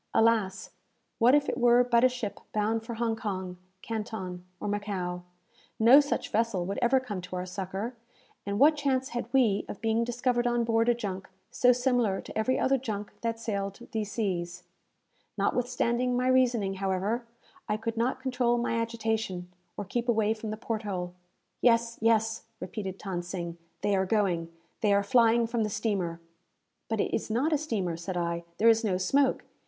Alas! what if it were but a ship bound for Hong Kong, Canton, or Macao? No such vessel would ever come to our succour, and what chance had we of being discovered on board a junk so similar to every other junk that sailed these seas? Notwithstanding my reasoning, however, I could not control my agitation, or keep away from the port hole. "Yes, yes," repeated Than Sing, "they are going. They are flying from the steamer!" "But it is not a steamer," said I. "There is no smoke.